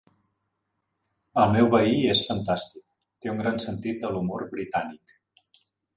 El meu veí és fantàstic. Té un gran sentit de l'humor britànic.